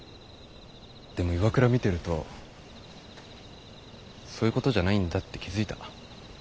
でも岩倉見てるとそういうことじゃないんだって気付いた。